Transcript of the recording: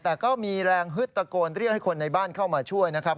แต่ก็มีแรงฮึดตะโกนเรียกให้คนในบ้านเข้ามาช่วยนะครับ